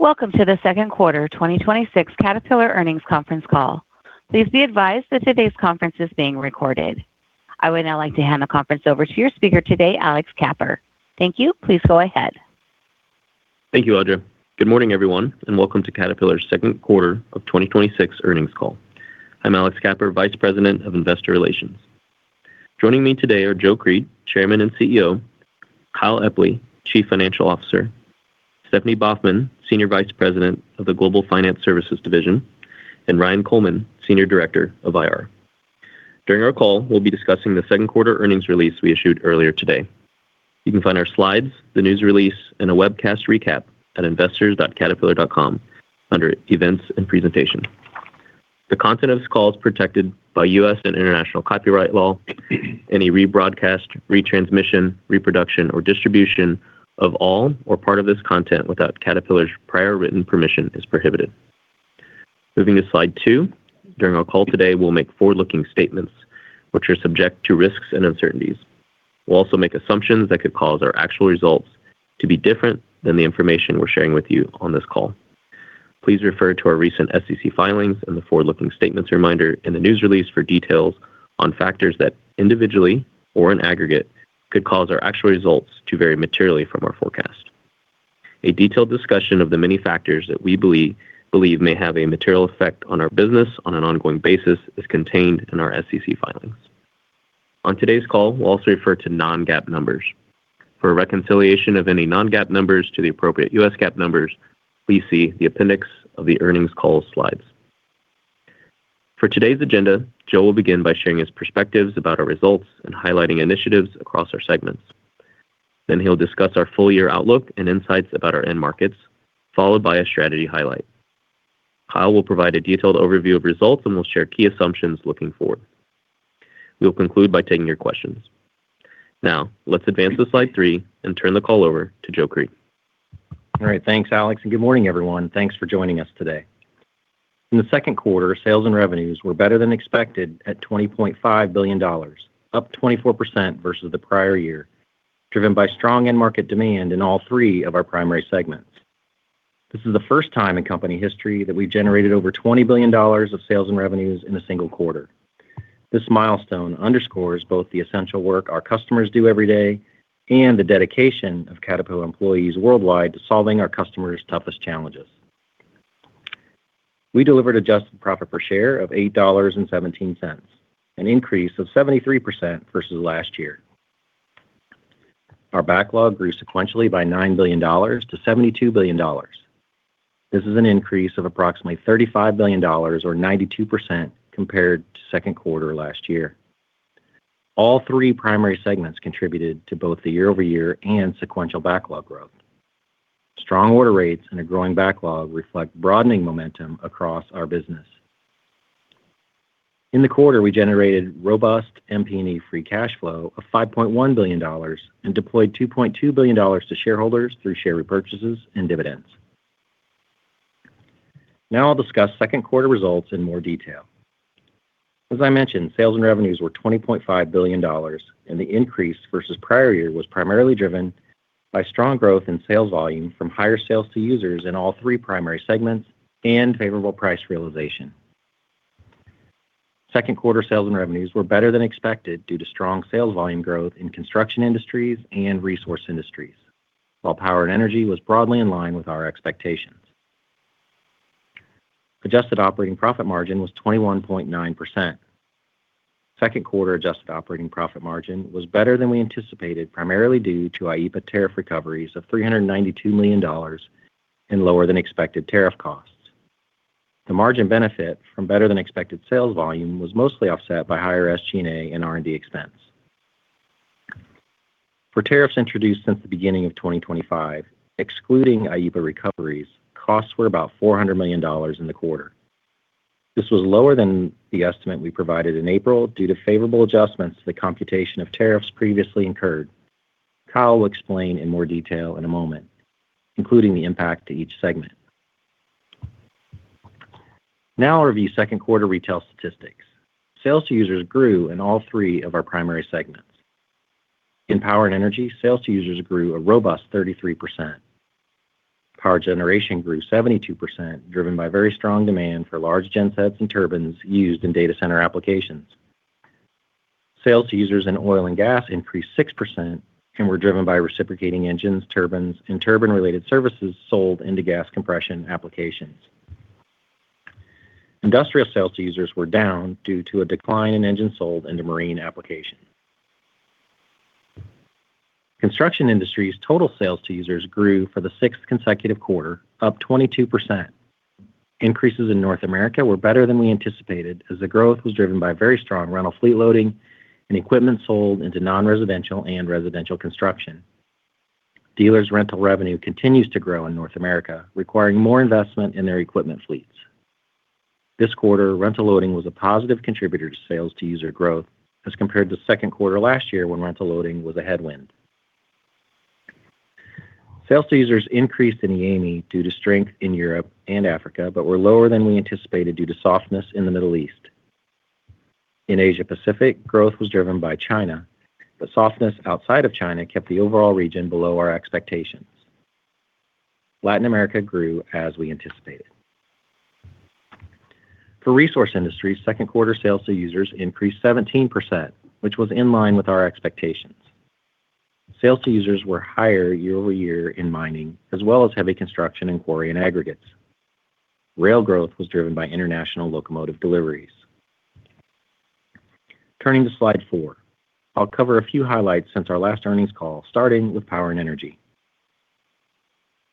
Welcome to the second quarter 2026 Caterpillar earnings conference call. Please be advised that today's conference is being recorded. I would now like to hand the conference over to your speaker today, Alex Kapper. Thank you. Please go ahead. Thank you, Audra. Good morning, everyone, and welcome to Caterpillar's second quarter of 2026 earnings call. I'm Alex Kapper, Vice President of Investor Relations. Joining me today are Joe Creed, Chairman and CEO, Kyle Epley, Chief Financial Officer, Stephanie Baughman, Senior Vice President of the Global Finance Services Division, and Ryan Coleman, Senior Director of IR. During our call, we'll be discussing the second quarter earnings release we issued earlier today. You can find our slides, the news release, and a webcast recap at investors.caterpillar.com under Events and Presentation. The content of this call is protected by U.S. and international copyright law. Any rebroadcast, retransmission, reproduction, or distribution of all or part of this content without Caterpillar's prior written permission is prohibited. Moving to slide two. During our call today, we'll make forward-looking statements which are subject to risks and uncertainties. We'll also make assumptions that could cause our actual results to be different than the information we're sharing with you on this call. Please refer to our recent SEC filings and the forward-looking statements reminder in the news release for details on factors that individually or in aggregate could cause our actual results to vary materially from our forecast. A detailed discussion of the many factors that we believe may have a material effect on our business on an ongoing basis is contained in our SEC filings. On today's call, we'll also refer to non-GAAP numbers. For a reconciliation of any non-GAAP numbers to the appropriate U.S. GAAP numbers, please see the appendix of the earnings call slides. For today's agenda, Joe will begin by sharing his perspectives about our results and highlighting initiatives across our segments. He'll discuss our full year outlook and insights about our end markets, followed by a strategy highlight. Kyle will provide a detailed overview of results and will share key assumptions looking forward. We will conclude by taking your questions. Now, let's advance to slide three and turn the call over to Joe Creed. All right. Thanks, Alex, and good morning, everyone. Thanks for joining us today. In the second quarter, sales and revenues were better than expected at $20.5 billion, up 24% versus the prior year, driven by strong end market demand in all three of our primary segments. This is the first time in company history that we've generated over $20 billion of sales and revenues in a single quarter. This milestone underscores both the essential work our customers do every day and the dedication of Caterpillar employees worldwide to solving our customers' toughest challenges. We delivered adjusted profit per share of $8.17, an increase of 73% versus last year. Our backlog grew sequentially by $9 billion to $72 billion. This is an increase of approximately $35 billion or 92% compared to second quarter last year. All three primary segments contributed to both the year-over-year and sequential backlog growth. Strong order rates and a growing backlog reflect broadening momentum across our business. In the quarter, we generated robust MP&E free cash flow of $5.1 billion and deployed $2.2 billion to shareholders through share repurchases and dividends. Now I'll discuss second quarter results in more detail. As I mentioned, sales and revenues were $20.5 billion, and the increase versus prior year was primarily driven by strong growth in sales volume from higher sales to users in all three primary segments and favorable price realization. Second quarter sales and revenues were better than expected due to strong sales volume growth in Construction Industries and Resource Industries. While Power & Energy was broadly in line with our expectations. Adjusted operating profit margin was 21.9%. Second quarter adjusted operating profit margin was better than we anticipated, primarily due to IEEPA tariff recoveries of $392 million and lower than expected tariff costs. The margin benefit from better than expected sales volume was mostly offset by higher SG&A and R&D expense. For tariffs introduced since the beginning of 2025, excluding IEEPA recoveries, costs were about $400 million in the quarter. This was lower than the estimate we provided in April due to favorable adjustments to the computation of tariffs previously incurred. Kyle will explain in more detail in a moment, including the impact to each segment. Now I'll review second quarter retail statistics. Sales to users grew in all three of our primary segments. In Power & Energy, sales to users grew a robust 33%. Power generation grew 72%, driven by very strong demand for large gen sets and turbines used in data center applications. Sales to users in oil and gas increased 6% and were driven by reciprocating engines, turbines, and turbine-related services sold into gas compression applications. Industrial sales to users were down due to a decline in engines sold into marine applications. Construction Industries total sales to users grew for the sixth consecutive quarter, up 22%. Increases in North America were better than we anticipated as the growth was driven by very strong rental fleet loading and equipment sold into non-residential and residential construction. Dealers' rental revenue continues to grow in North America, requiring more investment in their equipment fleets. This quarter, rental loading was a positive contributor to sales to user growth as compared to second quarter last year when rental loading was a headwind. Sales to users increased in EAME due to strength in Europe and Africa, but were lower than we anticipated due to softness in the Middle East. In Asia Pacific, growth was driven by China. The softness outside of China kept the overall region below our expectations. Latin America grew as we anticipated. For Resource Industries, second quarter sales to users increased 17%, which was in line with our expectations. Sales to users were higher year-over-year in mining, as well as heavy construction and quarry and aggregates. Rail growth was driven by international locomotive deliveries. Turning to slide four, I will cover a few highlights since our last earnings call, starting with Power & Energy.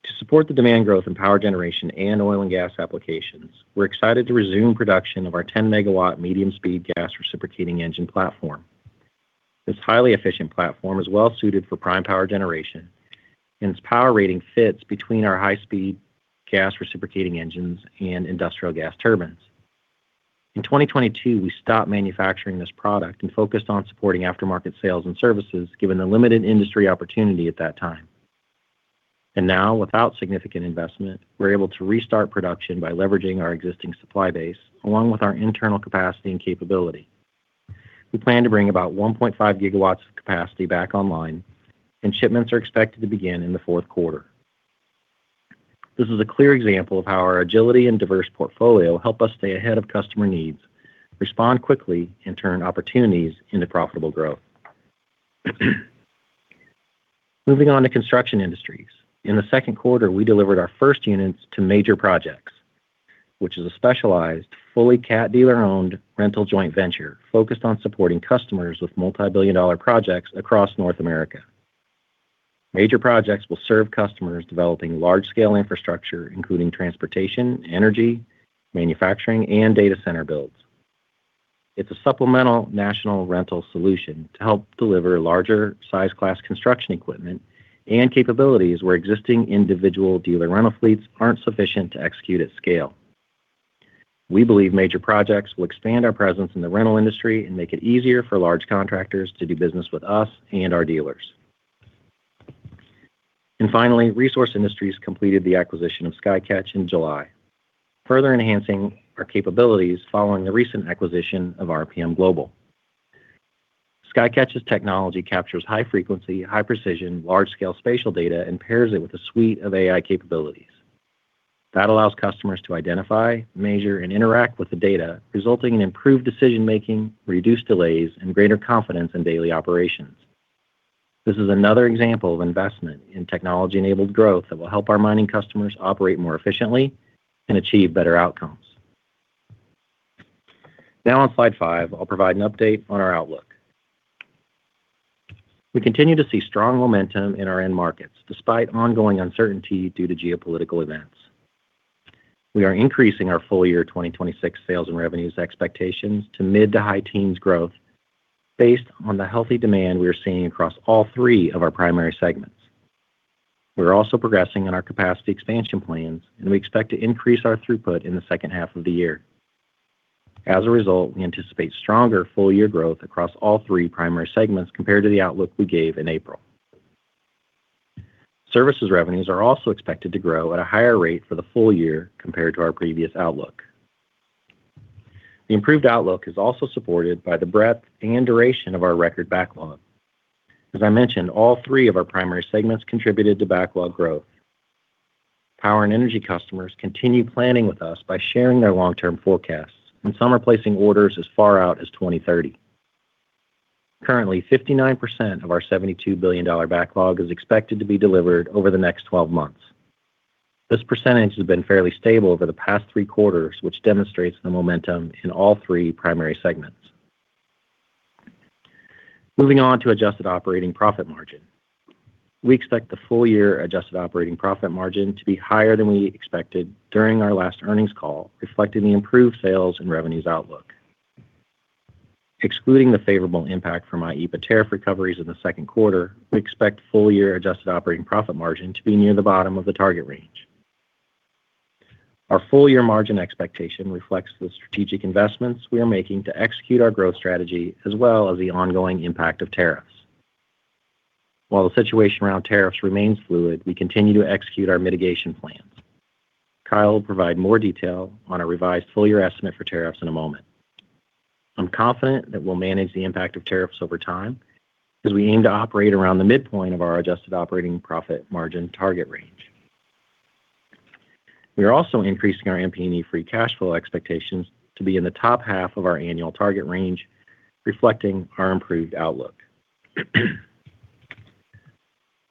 To support the demand growth in power generation and oil and gas applications, we are excited to resume production of our 10 MW medium-speed gas reciprocating engine platform. This highly efficient platform is well-suited for prime power generation, and its power rating fits between our high-speed gas reciprocating engines and industrial gas turbines. In 2022, we stopped manufacturing this product and focused on supporting aftermarket sales and services, given the limited industry opportunity at that time. Now, without significant investment, we are able to restart production by leveraging our existing supply base, along with our internal capacity and capability. We plan to bring about 1.5 GW of capacity back online, and shipments are expected to begin in the fourth quarter. This is a clear example of how our agility and diverse portfolio help us stay ahead of customer needs, respond quickly, and turn opportunities into profitable growth. Moving on to Construction Industries. In the second quarter, we delivered our first units to Major Projects, which is a specialized, fully Cat dealer-owned rental joint venture focused on supporting customers with multibillion-dollar projects across North America. Major Projects will serve customers developing large-scale infrastructure, including transportation, energy, manufacturing, and data center builds. It is a supplemental national rental solution to help deliver larger size class construction equipment and capabilities where existing individual dealer rental fleets are not sufficient to execute at scale. We believe Major Projects will expand our presence in the rental industry and make it easier for large contractors to do business with us and our dealers. Finally, Resource Industries completed the acquisition of Skycatch in July, further enhancing our capabilities following the recent acquisition of RPMGlobal. Skycatch's technology captures high-frequency, high-precision, large-scale spatial data and pairs it with a suite of AI capabilities. That allows customers to identify, measure, and interact with the data, resulting in improved decision-making, reduced delays, and greater confidence in daily operations. This is another example of investment in technology-enabled growth that will help our mining customers operate more efficiently and achieve better outcomes. On slide five, I will provide an update on our outlook. We continue to see strong momentum in our end markets, despite ongoing uncertainty due to geopolitical events. We are increasing our full-year 2026 sales and revenues expectations to mid to high teens growth based on the healthy demand we are seeing across all three of our primary segments. We are also progressing in our capacity expansion plans, and we expect to increase our throughput in the second half of the year. As a result, we anticipate stronger full-year growth across all three primary segments compared to the outlook we gave in April. Services revenues are also expected to grow at a higher rate for the full year compared to our previous outlook. The improved outlook is also supported by the breadth and duration of our record backlog. As I mentioned, all three of our primary segments contributed to backlog growth. Power & Energy customers continue planning with us by sharing their long-term forecasts. Some are placing orders as far out as 2030. Currently, 59% of our $72 billion backlog is expected to be delivered over the next 12 months. This percentage has been fairly stable over the past three quarters, which demonstrates the momentum in all three primary segments. Moving on to adjusted operating profit margin. We expect the full-year adjusted operating profit margin to be higher than we expected during our last earnings call, reflecting the improved sales and revenues outlook. Excluding the favorable impact from IEEPA tariff recoveries in the second quarter, we expect full-year adjusted operating profit margin to be near the bottom of the target range. Our full-year margin expectation reflects the strategic investments we are making to execute our growth strategy, as well as the ongoing impact of tariffs. While the situation around tariffs remains fluid, we continue to execute our mitigation plans. Kyle will provide more detail on a revised full-year estimate for tariffs in a moment. I'm confident that we'll manage the impact of tariffs over time as we aim to operate around the midpoint of our adjusted operating profit margin target range. We are also increasing our MP&E free cash flow expectations to be in the top half of our annual target range, reflecting our improved outlook.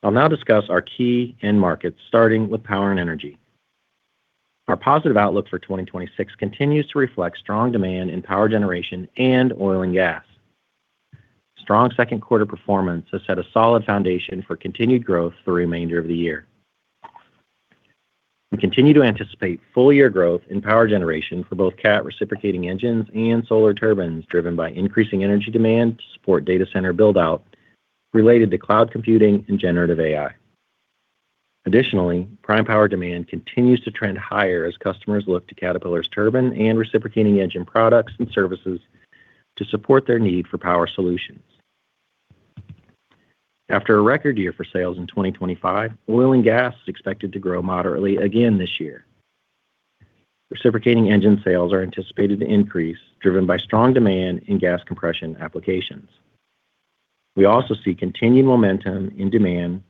I'll now discuss our key end markets, starting with Power & Energy. Our positive outlook for 2026 continues to reflect strong demand in power generation and oil and gas. Strong second quarter performance has set a solid foundation for continued growth for the remainder of the year. We continue to anticipate full-year growth in power generation for both Cat reciprocating engines and Solar Turbines, driven by increasing energy demand to support data center build-out related to cloud computing and generative AI. Additionally, prime power demand continues to trend higher as customers look to Caterpillar's turbine and reciprocating engine products and services to support their need for power solutions. After a record year for sales in 2025, oil and gas is expected to grow moderately again this year. Reciprocating engine sales are anticipated to increase, driven by strong demand in gas compression applications. We also see continued momentum in demand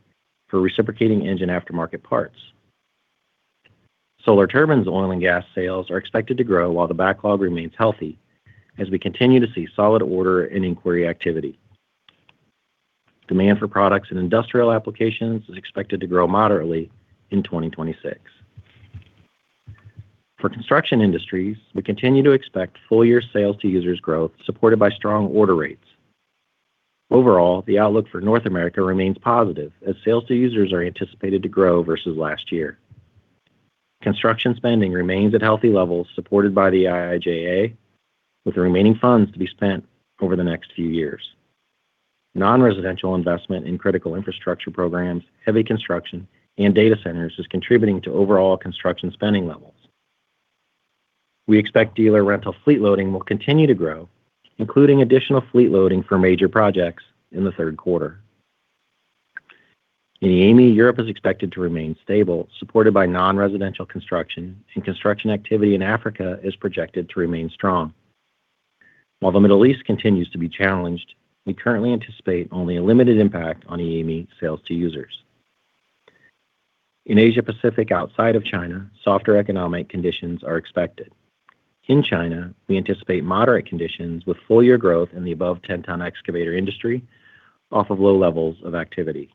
for reciprocating engine aftermarket parts. Solar Turbines oil and gas sales are expected to grow while the backlog remains healthy as we continue to see solid order and inquiry activity. Demand for products in industrial applications is expected to grow moderately in 2026. For Construction Industries, we continue to expect full-year sales to users growth supported by strong order rates. Overall, the outlook for North America remains positive as sales to users are anticipated to grow versus last year. Construction spending remains at healthy levels, supported by the IIJA, with the remaining funds to be spent over the next few years. Non-residential investment in critical infrastructure programs, heavy construction, and data centers is contributing to overall construction spending levels. We expect dealer rental fleet loading will continue to grow, including additional fleet loading for Major Projects in the third quarter. In EAME, Europe is expected to remain stable, supported by non-residential construction, and construction activity in Africa is projected to remain strong. While the Middle East continues to be challenged, we currently anticipate only a limited impact on EAME sales to users. In Asia Pacific, outside of China, softer economic conditions are expected. In China, we anticipate moderate conditions with full-year growth in the above 10-ton excavator industry off of low levels of activity.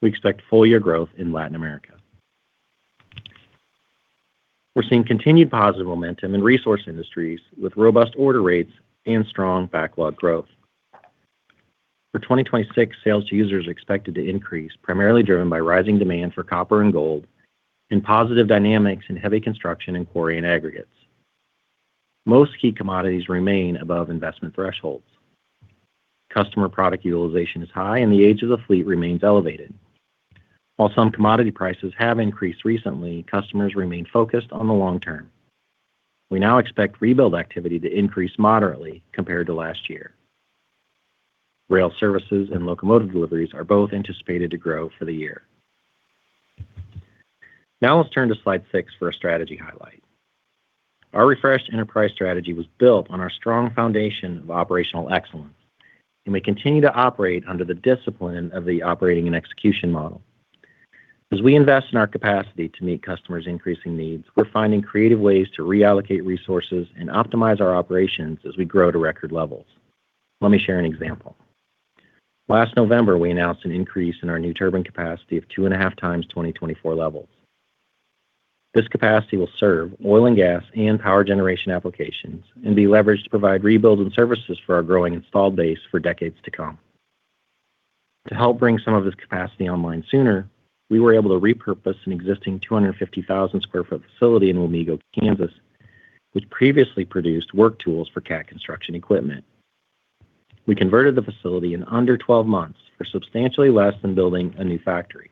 We expect full-year growth in Latin America. We're seeing continued positive momentum in Resource Industries with robust order rates and strong backlog growth. For 2026, sales to users are expected to increase, primarily driven by rising demand for copper and gold and positive dynamics in heavy construction in quarry and aggregates. Most key commodities remain above investment thresholds. Customer product utilization is high, and the age of the fleet remains elevated. While some commodity prices have increased recently, customers remain focused on the long term. We now expect rebuild activity to increase moderately compared to last year. Rail services and locomotive deliveries are both anticipated to grow for the year. Now let's turn to slide seven for a strategy highlight. Our refreshed enterprise strategy was built on our strong foundation of operational excellence. We continue to operate under the discipline of the Operating and Execution Model. As we invest in our capacity to meet customers' increasing needs, we're finding creative ways to reallocate resources and optimize our operations as we grow to record levels. Let me share an example. Last November, we announced an increase in our new turbine capacity of 2.5x 2024 levels. This capacity will serve oil and gas and power generation applications and be leveraged to provide rebuilds and services for our growing installed base for decades to come. To help bring some of this capacity online sooner, we were able to repurpose an existing 250,000 sq ft facility in Wamego, Kansas, which previously produced work tools for Cat construction equipment. We converted the facility in under 12 months for substantially less than building a new factory.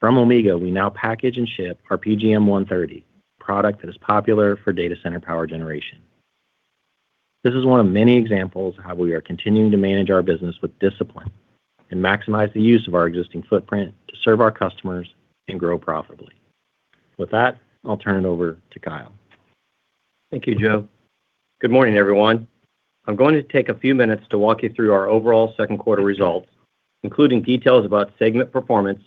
From Wamego, we now package and ship our PGM130 product that is popular for data center power generation. This is one of many examples of how we are continuing to manage our business with discipline and maximize the use of our existing footprint to serve our customers and grow profitably. With that, I'll turn it over to Kyle. Thank you, Joe. Good morning, everyone. I'm going to take a few minutes to walk you through our overall second quarter results, including details about segment performance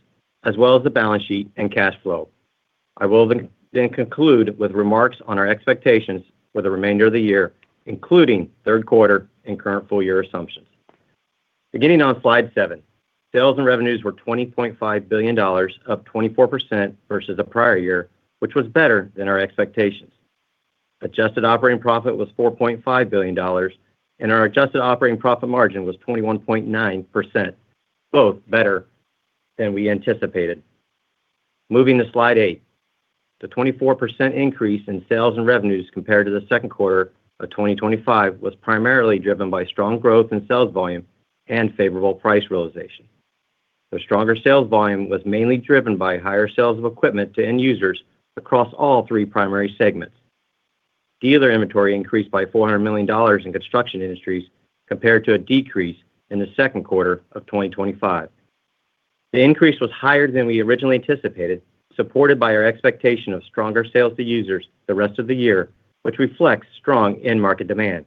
as well as the balance sheet and cash flow. I will then conclude with remarks on our expectations for the remainder of the year, including third quarter and current full year assumptions. Beginning on slide seven, sales and revenues were $20.5 billion, up 24% versus the prior year, which was better than our expectations. Adjusted operating profit was $4.5 billion and our adjusted operating profit margin was 21.9%, both better than we anticipated. Moving to slide eight. The 24% increase in sales and revenues compared to the second quarter of 2025 was primarily driven by strong growth in sales volume and favorable price realization. The stronger sales volume was mainly driven by higher sales of equipment to end users across all three primary segments. Dealer inventory increased by $400 million in Construction Industries compared to a decrease in the second quarter of 2025. The increase was higher than we originally anticipated, supported by our expectation of stronger sales to users the rest of the year, which reflects strong end market demand.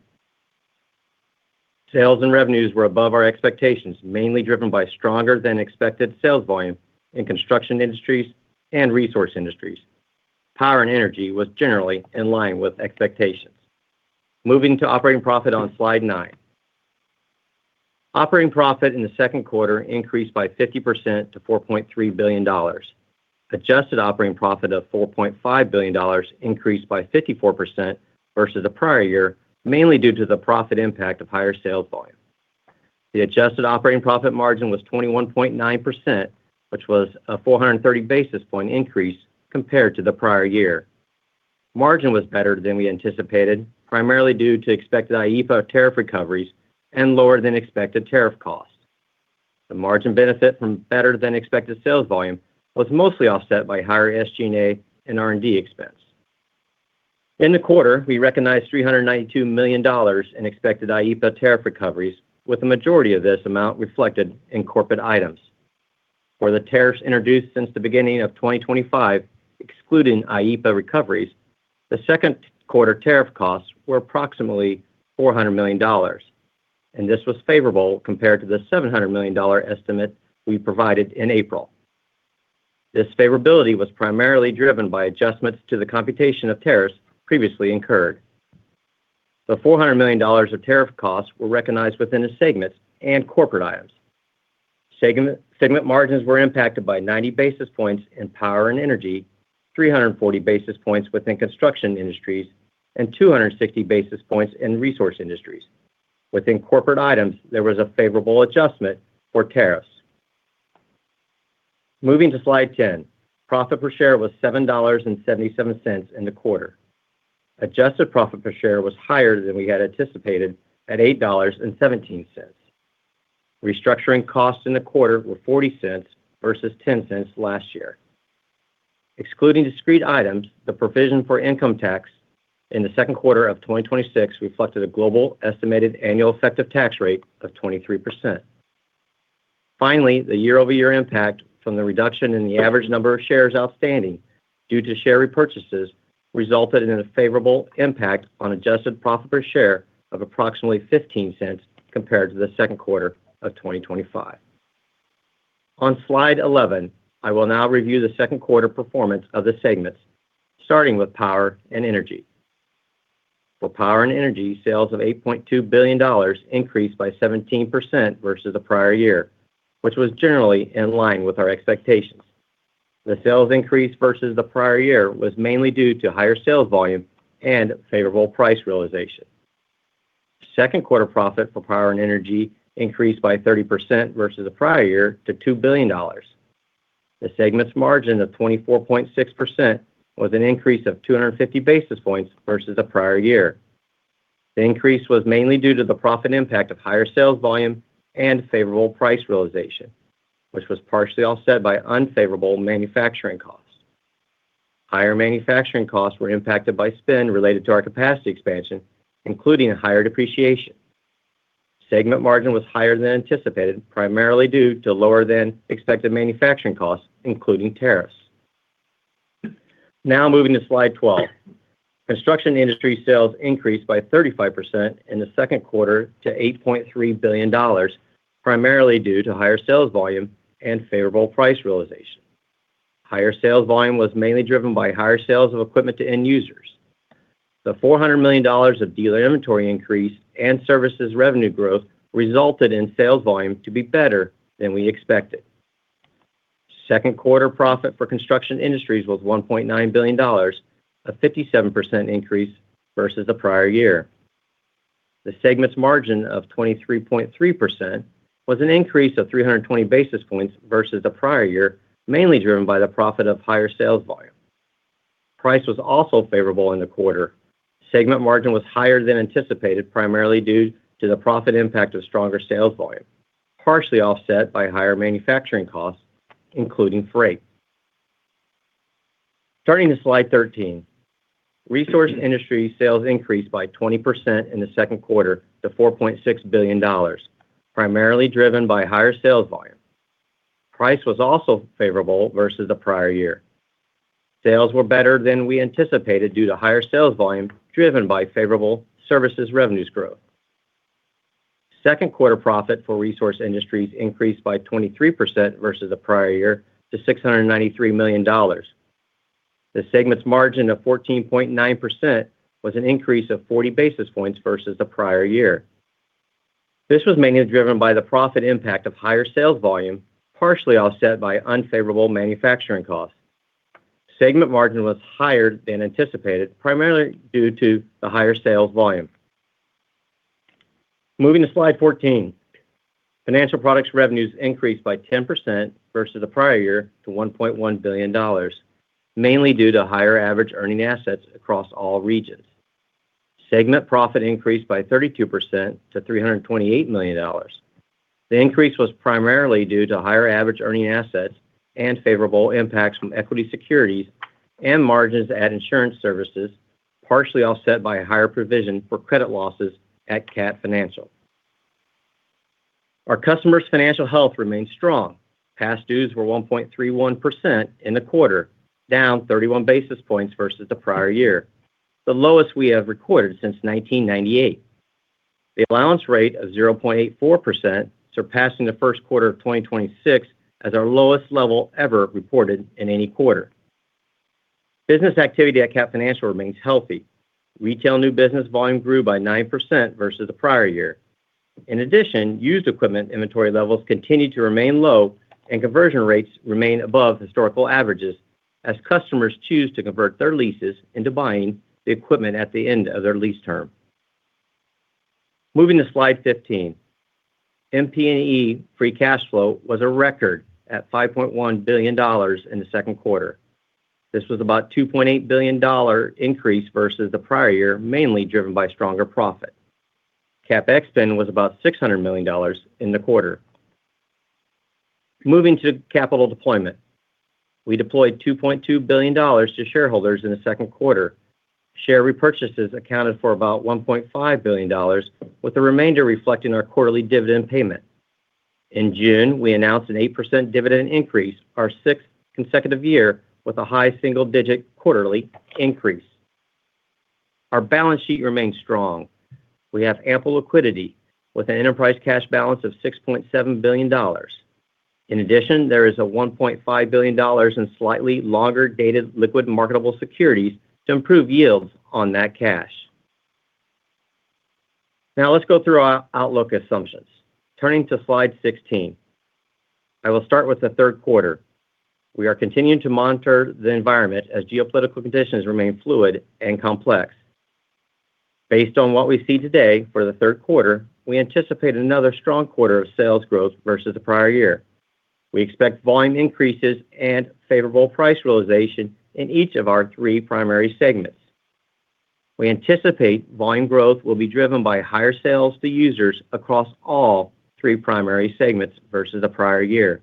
Sales and revenues were above our expectations, mainly driven by stronger than expected sales volume in Construction Industries and Resource Industries. Power & Energy was generally in line with expectations. Moving to operating profit on slide nine. Operating profit in the second quarter increased by 50% to $4.3 billion. Adjusted operating profit of $4.5 billion increased by 54% versus the prior year, mainly due to the profit impact of higher sales volume. The adjusted operating profit margin was 21.9%, which was a 430 basis point increase compared to the prior year. Margin was better than we anticipated, primarily due to expected IEEPA tariff recoveries and lower than expected tariff costs. The margin benefit from better-than-expected sales volume was mostly offset by higher SG&A and R&D expense. In the quarter, we recognized $392 million in expected IEEPA tariff recoveries, with the majority of this amount reflected in corporate items. For the tariffs introduced since the beginning of 2025, excluding IEEPA recoveries, the second quarter tariff costs were approximately $400 million. This was favorable compared to the $700 million estimate we provided in April. This favorability was primarily driven by adjustments to the computation of tariffs previously incurred. The $400 million of tariff costs were recognized within the segments and corporate items. Segment margins were impacted by 90 basis points in Power & Energy, 340 basis points within Construction Industries, and 260 basis points in Resource Industries. Within corporate items, there was a favorable adjustment for tariffs. Moving to slide 10, profit per share was $7.77 in the quarter. Adjusted profit per share was higher than we had anticipated at $8.17. Restructuring costs in the quarter were $0.40 versus $0.10 last year. Excluding discrete items, the provision for income tax in the second quarter of 2026 reflected a global estimated annual effective tax rate of 23%. The year-over-year impact from the reduction in the average number of shares outstanding due to share repurchases resulted in a favorable impact on adjusted profit per share of approximately $0.15 compared to the second quarter of 2025. On slide 11, I will now review the second quarter performance of the segments, starting with Power & Energy. For Power & Energy, sales of $8.2 billion increased by 17% versus the prior year, which was generally in line with our expectations. The sales increase versus the prior year was mainly due to higher sales volume and favorable price realization. Second quarter profit for Power & Energy increased by 30% versus the prior year to $2 billion. The segment's margin of 24.6% was an increase of 250 basis points versus the prior year. The increase was mainly due to the profit impact of higher sales volume and favorable price realization, which was partially offset by unfavorable manufacturing costs. Higher manufacturing costs were impacted by spend related to our capacity expansion, including a higher depreciation. Segment margin was higher than anticipated, primarily due to lower than expected manufacturing costs, including tariffs. Moving to slide 12. Construction Industries sales increased by 35% in the second quarter to $8.3 billion, primarily due to higher sales volume and favorable price realization. Higher sales volume was mainly driven by higher sales of equipment to end users. The $400 million of dealer inventory increase and services revenue growth resulted in sales volume to be better than we expected. Second quarter profit for Construction Industries was $1.9 billion, a 57% increase versus the prior year. The segment's margin of 23.3% was an increase of 320 basis points versus the prior year, mainly driven by the profit of higher sales volume. Price was also favorable in the quarter. Segment margin was higher than anticipated, primarily due to the profit impact of stronger sales volume, partially offset by higher manufacturing costs, including freight. Turning to slide 13, Resource Industries sales increased by 20% in the second quarter to $4.6 billion, primarily driven by higher sales volume. Price was also favorable versus the prior year. Sales were better than we anticipated due to higher sales volume driven by favorable services revenues growth. Second quarter profit for Resource Industries increased by 23% versus the prior year to $693 million. The segment's margin of 14.9% was an increase of 40 basis points versus the prior year. This was mainly driven by the profit impact of higher sales volume, partially offset by unfavorable manufacturing costs. Segment margin was higher than anticipated, primarily due to the higher sales volume. Moving to slide 14, Financial Products revenues increased by 10% versus the prior year to $1.1 billion, mainly due to higher average earning assets across all regions. Segment profit increased by 32% to $328 million. The increase was primarily due to higher average earning assets and favorable impacts from equity securities and margins at Insurance Services, partially offset by a higher provision for credit losses at Cat Financial. Our customers' financial health remains strong. Past dues were 1.31% in the quarter, down 31 basis points versus the prior year, the lowest we have recorded since 1998. The allowance rate of 0.84%, surpassing the first quarter of 2026 as our lowest level ever reported in any quarter. Business activity at Cat Financial remains healthy. Retail new business volume grew by 9% versus the prior year. In addition, used equipment inventory levels continue to remain low, and conversion rates remain above historical averages as customers choose to convert their leases into buying the equipment at the end of their lease term. Moving to slide 15. MP&E free cash flow was a record at $5.1 billion in the second quarter. This was about $2.8 billion increase versus the prior year, mainly driven by stronger profit. CapEx spend was about $600 million in the quarter. Moving to capital deployment. We deployed $2.2 billion to shareholders in the second quarter. Share repurchases accounted for about $1.5 billion, with the remainder reflecting our quarterly dividend payment. In June, we announced an 8% dividend increase, our sixth consecutive year with a high single-digit quarterly increase. Our balance sheet remains strong. We have ample liquidity with an enterprise cash balance of $6.7 billion. In addition, there is a $1.5 billion in slightly longer-dated liquid marketable securities to improve yields on that cash. Let's go through our outlook assumptions. Turning to slide 16, I will start with the third quarter. We are continuing to monitor the environment as geopolitical conditions remain fluid and complex. Based on what we see today for the third quarter, we anticipate another strong quarter of sales growth versus the prior year. We expect volume increases and favorable price realization in each of our three primary segments. We anticipate volume growth will be driven by higher sales to users across all three primary segments versus the prior year.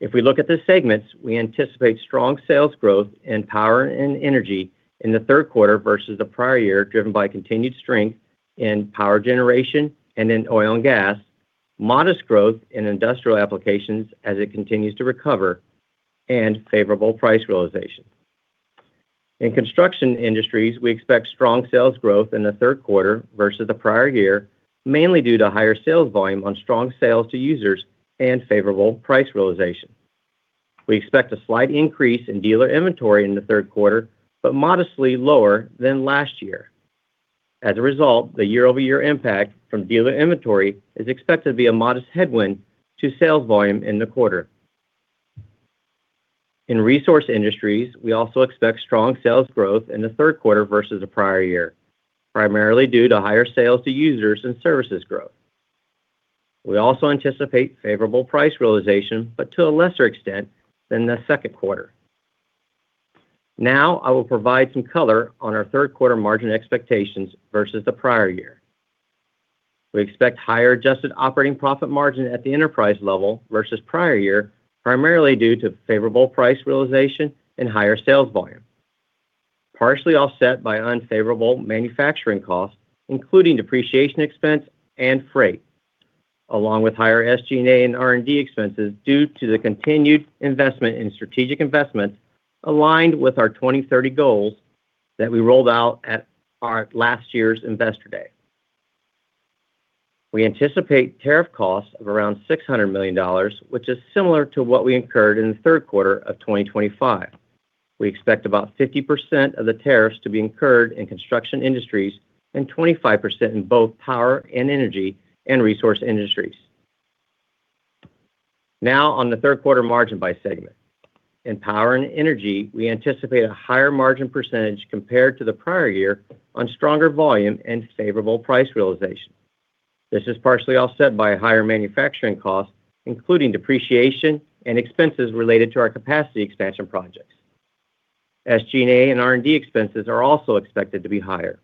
If we look at the segments, we anticipate strong sales growth in Power & Energy in the third quarter versus the prior year, driven by continued strength in power generation and in oil and gas, modest growth in industrial applications as it continues to recover, and favorable price realization. In Construction Industries, we expect strong sales growth in the third quarter versus the prior year, mainly due to higher sales volume on strong sales to users and favorable price realization. We expect a slight increase in dealer inventory in the third quarter, but modestly lower than last year. As a result, the year-over-year impact from dealer inventory is expected to be a modest headwind to sales volume in the quarter. In Resource Industries, we also expect strong sales growth in the third quarter versus the prior year, primarily due to higher sales to users and services growth. We also anticipate favorable price realization, but to a lesser extent than the second quarter. Now, I will provide some color on our third quarter margin expectations versus the prior year. We expect higher adjusted operating profit margin at the enterprise level versus the prior year, primarily due to favorable price realization and higher sales volume, partially offset by unfavorable manufacturing costs, including depreciation expense and freight, along with higher SG&A and R&D expenses due to the continued investment in strategic investments aligned with our 2030 goals that we rolled out at last year's Investor Day. We anticipate tariff costs of around $600 million, which is similar to what we incurred in the third quarter of 2025. We expect about 50% of the tariffs to be incurred in Construction Industries and 25% in both Power & Energy and Resource Industries. Now on the third quarter margin by segment. In Power & Energy, we anticipate a higher margin percentage compared to the prior year on stronger volume and favorable price realization. This is partially offset by higher manufacturing costs, including depreciation and expenses related to our capacity expansion projects. SG&A and R&D expenses are also expected to be higher.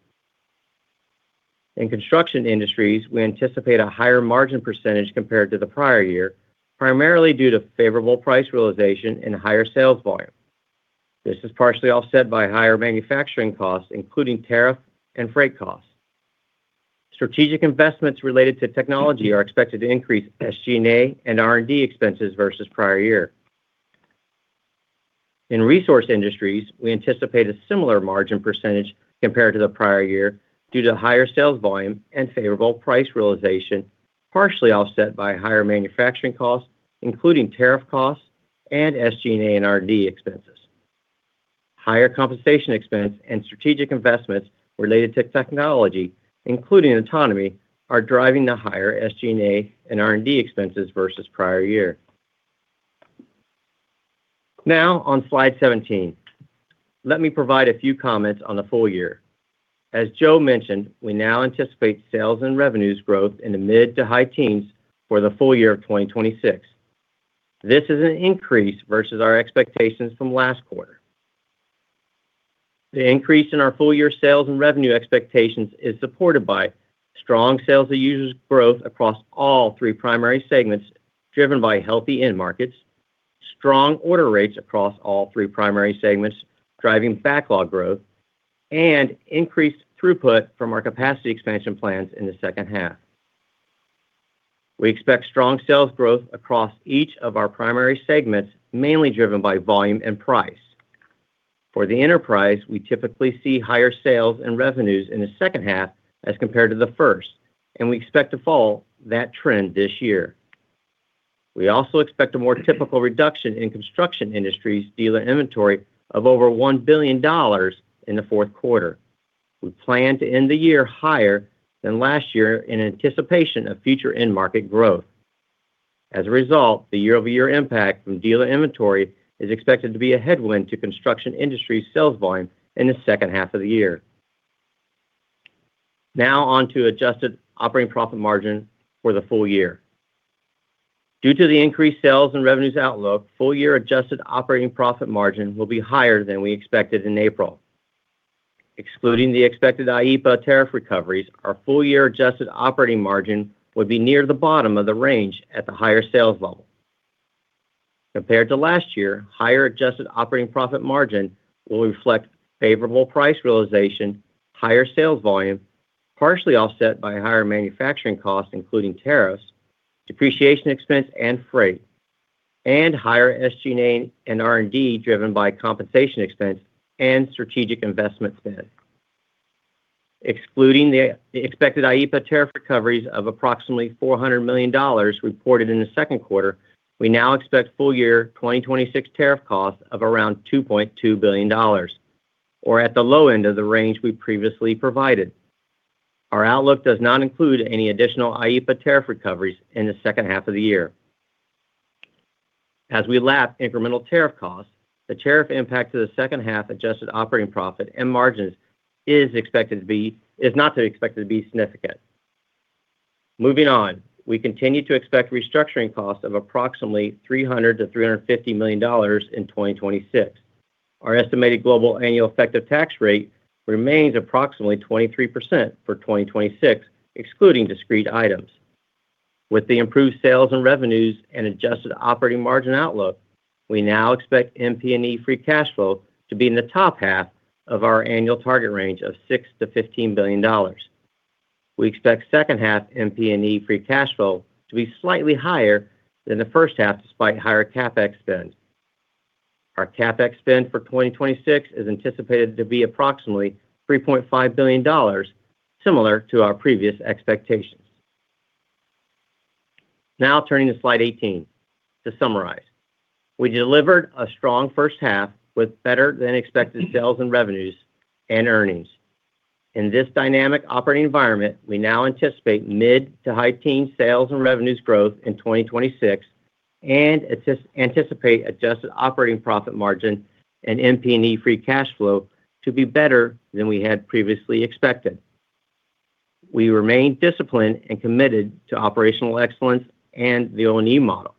In Construction Industries, we anticipate a higher margin percentage compared to the prior year, primarily due to favorable price realization and higher sales volume. This is partially offset by higher manufacturing costs, including tariff and freight costs. Strategic investments related to technology are expected to increase SG&A and R&D expenses versus the prior year. In Resource Industries, we anticipate a similar margin percentage compared to the prior year due to higher sales volume and favorable price realization, partially offset by higher manufacturing costs, including tariff costs and SG&A and R&D expenses. Higher compensation expense and strategic investments related to technology, including autonomy, are driving the higher SG&A and R&D expenses versus the prior year. Now on slide 17. Let me provide a few comments on the full year. As Joe mentioned, we now anticipate sales and revenues growth in the mid to high teens for the full year of 2026. This is an increase versus our expectations from last quarter. The increase in our full-year sales and revenue expectations is supported by strong sales and revenues growth across all three primary segments, driven by healthy end markets, strong order rates across all three primary segments, driving backlog growth, and increased throughput from our capacity expansion plans in the second half. We expect strong sales growth across each of our primary segments, mainly driven by volume and price. For the enterprise, we typically see higher sales and revenues in the second half as compared to the first, and we expect to follow that trend this year. We also expect a more typical reduction in Construction Industries dealer inventory of over $1 billion in the fourth quarter. We plan to end the year higher than last year in anticipation of future end market growth. As a result, the year-over-year impact from dealer inventory is expected to be a headwind to Construction Industries sales volume in the second half of the year. Now on to adjusted operating profit margin for the full year. Due to the increased sales and revenues outlook, full-year adjusted operating profit margin will be higher than we expected in April. Excluding the expected IEEPA tariff recoveries, our full-year adjusted operating margin would be near the bottom of the range at the higher sales level. Compared to last year, higher adjusted operating profit margin will reflect favorable price realization, higher sales volume, partially offset by higher manufacturing costs, including tariffs, depreciation expense, and freight, and higher SG&A and R&D driven by compensation expense and strategic investment spend. Excluding the expected IEEPA tariff recoveries of approximately $400 million reported in the second quarter, we now expect full-year 2026 tariff costs of around $2.2 billion, or at the low end of the range we previously provided. Our outlook does not include any additional IEEPA tariff recoveries in the second half of the year. As we lap incremental tariff costs, the tariff impact to the second half adjusted operating profit and margins is not expected to be significant. Moving on, we continue to expect restructuring costs of approximately $300 million-$350 million in 2026. Our estimated global annual effective tax rate remains approximately 23% for 2026, excluding discrete items. With the improved sales and revenues and adjusted operating margin outlook, we now expect MP&E free cash flow to be in the top half of our annual target range of $6 billion-$15 billion. We expect second half MP&E free cash flow to be slightly higher than the first half, despite higher CapEx spend. Our CapEx spend for 2026 is anticipated to be approximately $3.5 billion, similar to our previous expectations. Now turning to slide 18. To summarize, we delivered a strong first half with better than expected sales and revenues and earnings. In this dynamic operating environment, we now anticipate mid to high teen sales and revenues growth in 2026 and anticipate adjusted operating profit margin and MP&E free cash flow to be better than we had previously expected. We remain disciplined and committed to operational excellence and the O&E model.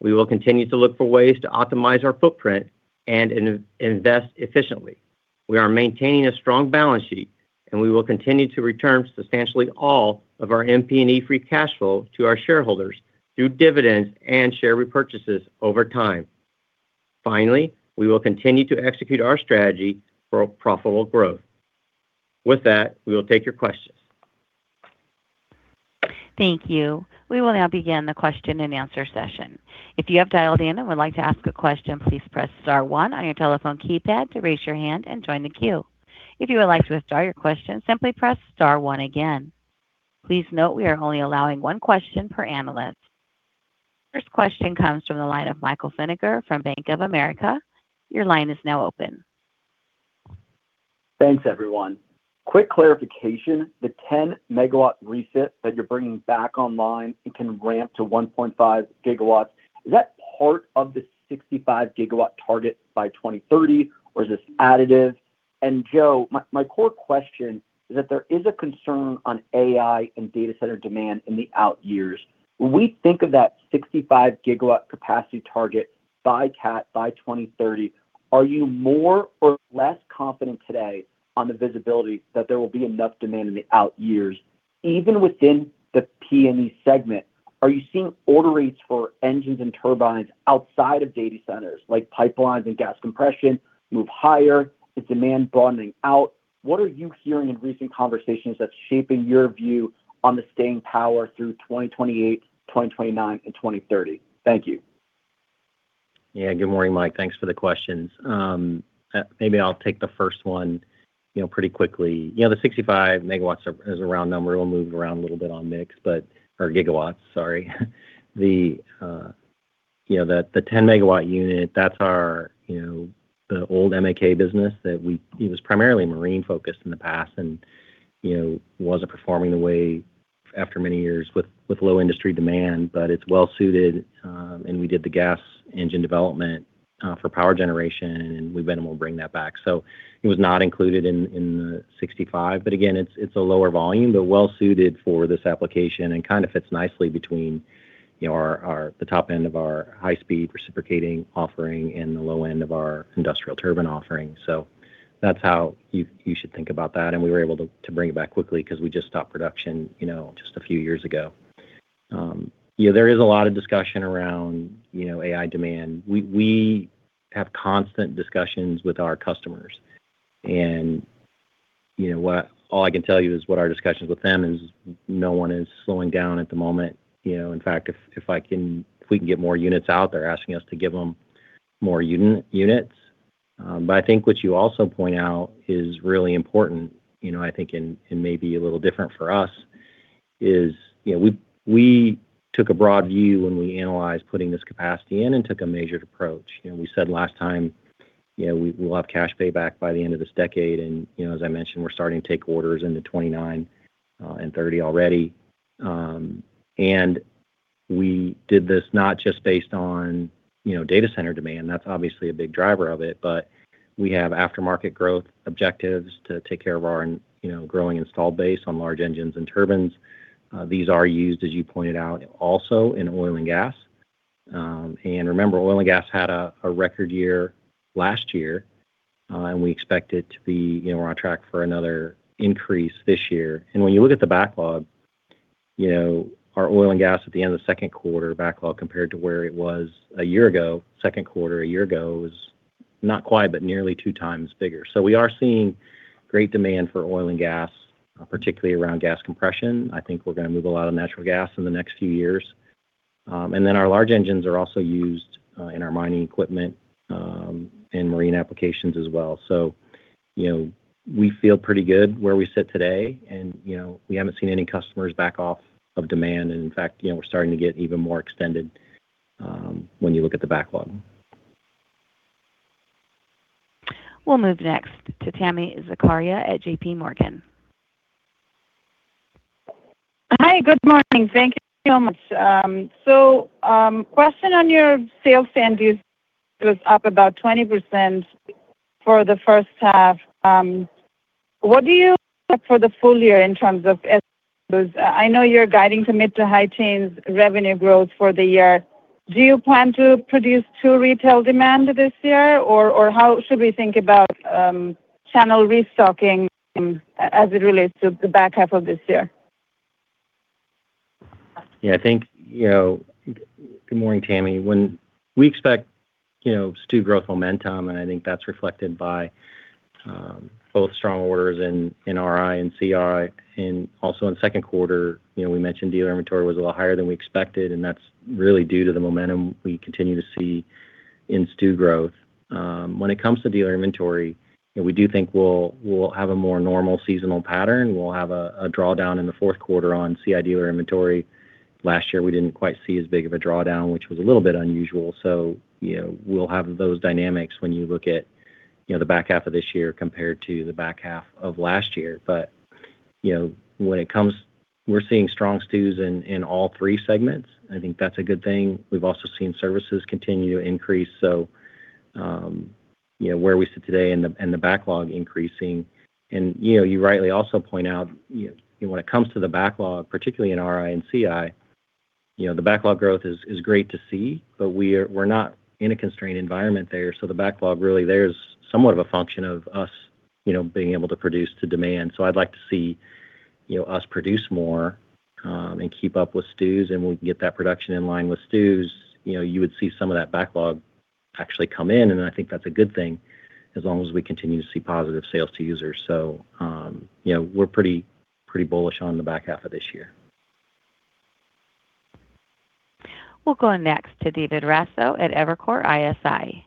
We will continue to look for ways to optimize our footprint and invest efficiently. We are maintaining a strong balance sheet. We will continue to return substantially all of our MP&E free cash flow to our shareholders through dividends and share repurchases over time. Finally, we will continue to execute our strategy for profitable growth. With that, we will take your questions. Thank you. We will now begin the question and answer session. If you have dialed in and would like to ask a question, please press star one on your telephone keypad to raise your hand and join the queue. If you would like to withdraw your question, simply press star one again. Please note we are only allowing one question per analyst. First question comes from the line of Michael Feniger from Bank of America. Your line is now open. Thanks, everyone. Quick clarification, the 10 MW recip that you're bringing back online and can ramp to 1.5 GW, is that part of the 65 GW target by 2030, or is this additive? Joe, my core question is that there is a concern on AI and data center demand in the out years. When we think of that 65 GW capacity target by Cat by 2030, are you more or less confident today on the visibility that there will be enough demand in the out years, even within the P&E segment? Are you seeing order rates for engines and turbines outside of data centers, like pipelines and gas compression, move higher and demand broadening out? What are you hearing in recent conversations that's shaping your view on the staying power through 2028, 2029, and 2030? Thank you. Good morning, Mike. Thanks for the questions. Maybe I'll take the first one pretty quickly. The 65 GW is a round number. We'll move it around a little bit on mix. The 10 MW unit, that's the old MaK business that it was primarily marine focused in the past and wasn't performing the way after many years with low industry demand, but it's well-suited, and we did the gas engine development for power generation, and we went and we'll bring that back. It was not included in the 65. Again, it's a lower volume, but well-suited for this application and kind of fits nicely between the top end of our high-speed reciprocating offering and the low end of our industrial turbine offering. That's how you should think about that. We were able to bring it back quickly because we just stopped production just a few years ago. There is a lot of discussion around AI demand. We have constant discussions with our customers, and all I can tell you is what our discussions with them is no one is slowing down at the moment. In fact, if we can get more units out, they're asking us to give them more units. I think what you also point out is really important, I think, and may be a little different for us is we took a broad view when we analyzed putting this capacity in and took a measured approach. We said last time we will have cash payback by the end of this decade, and as I mentioned, we're starting to take orders into 2029 and 2030 already. We did this not just based on data center demand. That's obviously a big driver of it, but we have aftermarket growth objectives to take care of our growing install base on large engines and turbines. These are used, as you pointed out, also in oil and gas. Remember, oil and gas had a record year last year, and we're on track for another increase this year. When you look at the backlog, our oil and gas at the end of the second quarter backlog compared to where it was a year ago, second quarter a year ago is not quite but nearly two times bigger. We are seeing great demand for oil and gas, particularly around gas compression. I think we're going to move a lot of natural gas in the next few years. Our large engines are also used in our mining equipment, and marine applications as well. We feel pretty good where we sit today and we haven't seen any customers back off of demand. In fact, we're starting to get even more extended when you look at the backlog. We'll move next to Tami Zakaria at JPMorgan. Hi, good morning. Thank you so much. Question on your sales to end users up about 20% for the first half. What do you expect for the full year in terms of STUs? I know you're guiding to mid to high teens revenue growth for the year. Do you plan to produce to retail demand this year? How should we think about channel restocking as it relates to the back half of this year? Good morning, Tami. We expect STU growth momentum. I think that's reflected by both strong orders in RI and CI. Also in the second quarter, we mentioned dealer inventory was a little higher than we expected, and that's really due to the momentum we continue to see in STU growth. When it comes to dealer inventory, we do think we'll have a more normal seasonal pattern. We'll have a drawdown in the fourth quarter on CI dealer inventory. Last year, we didn't quite see as big of a drawdown, which was a little bit unusual. We'll have those dynamics when you look at the back half of this year compared to the back half of last year. We're seeing strong STUs in all three segments. I think that's a good thing. We've also seen services continue to increase. Where we sit today and the backlog increasing, you rightly also point out when it comes to the backlog, particularly in RI and CI, the backlog growth is great to see. We're not in a constrained environment there. The backlog really there is somewhat of a function of us being able to produce to demand. I'd like to see us produce more, keep up with STUs. When we can get that production in line with STUs, you would see some of that backlog actually come in. I think that's a good thing as long as we continue to see positive sales to users. We're pretty bullish on the back half of this year. We'll go next to David Raso at Evercore ISI.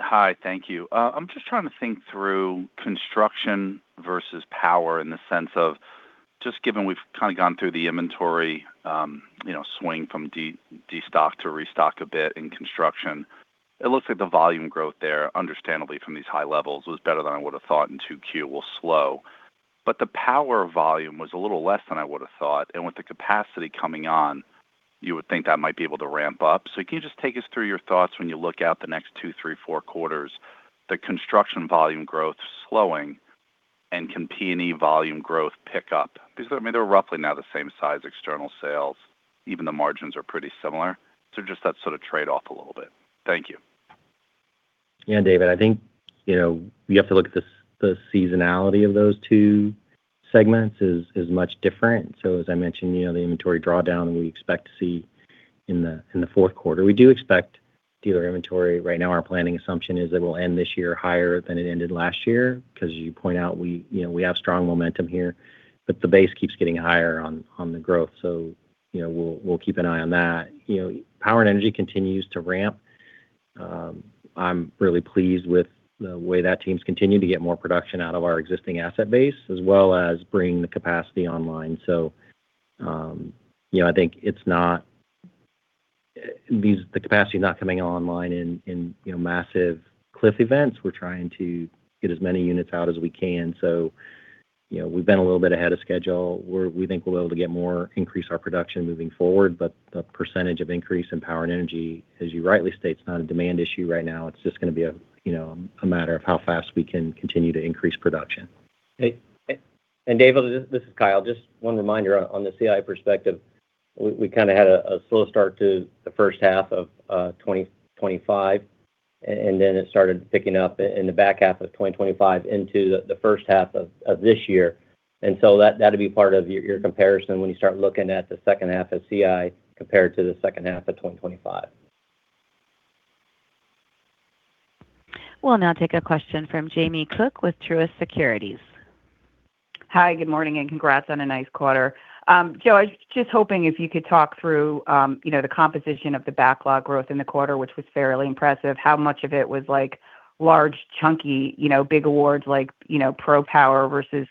Hi. Thank you. I'm just trying to think through Construction Industries versus Power & Energy in the sense of just given we've kind of gone through the inventory swing from destock to restock a bit in Construction Industries. It looks like the volume growth there, understandably from these high levels, was better than I would've thought in 2Q, will slow. The Power & Energy volume was a little less than I would've thought, and with the capacity coming on, you would think that might be able to ramp up. Can you just take us through your thoughts when you look out the next two, three, four quarters, the Construction Industries volume growth slowing and can P&E volume growth pick up? Because, I mean, they're roughly now the same size external sales, even the margins are pretty similar. Just that sort of trade-off a little bit. Thank you. Yeah, David, I think you have to look at the seasonality of those two segments is much different. As I mentioned, the inventory drawdown we expect to see in the fourth quarter. We do expect dealer inventory. Right now, our planning assumption is that we'll end this year higher than it ended last year, because as you point out, we have strong momentum here, but the base keeps getting higher on the growth. We'll keep an eye on that. Power & Energy continues to ramp. I'm really pleased with the way that team's continued to get more production out of our existing asset base, as well as bringing the capacity online. I think the capacity's not coming online in massive cliff events. We're trying to get as many units out as we can. We've been a little bit ahead of schedule, where we think we'll be able to increase our production moving forward. The percentage of increase in Power & Energy, as you rightly state, it's not a demand issue right now. It's just going to be a matter of how fast we can continue to increase production. David, this is Kyle. Just one reminder on the CI perspective. We kind of had a slow start to the first half of 2025, then it started picking up in the back half of 2025 into the first half of this year. That'll be part of your comparison when you start looking at the second half of CI compared to the second half of 2025. We'll now take a question from Jamie Cook with Truist Securities. Hi, good morning, and congrats on a nice quarter. Joe, I was just hoping if you could talk through the composition of the backlog growth in the quarter, which was fairly impressive, how much of it was large, chunky, big awards like prime power versus